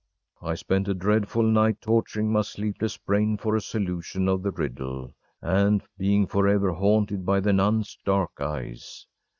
‚ÄĚ I spent a dreadful night, torturing my sleepless brain for a solution of the riddle, and being forever haunted by the nun’s dark eyes.